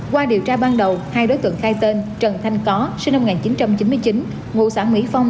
qua điều tra ban đầu hai đối tượng khai tên trần thanh có sinh năm một nghìn chín trăm chín mươi chín ngụ xã mỹ phong